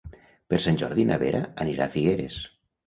Per Sant Jordi na Vera anirà a Figueres.